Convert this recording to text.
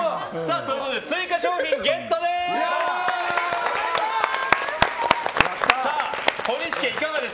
ということで追加商品ゲットです。